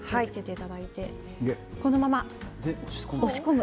このまま押し込む。